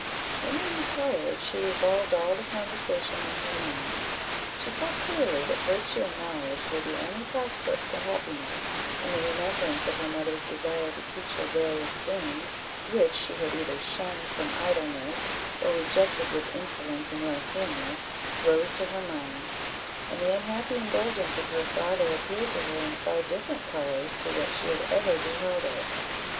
When they retired, she revolved all the conversation in her mind; she saw clearly that virtue and knowledge were the only passports to happiness; and the remembrance of her mother's desire to teach her various things, which she had either shunned from idleness, or rejected with insolence and ill humour, rose to her mind; and the unhappy indulgence of her father appeared to her in far different colours to what she had ever beheld it.